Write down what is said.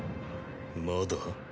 まだ？